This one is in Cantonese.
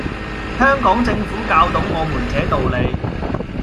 香港政府教懂我們這道理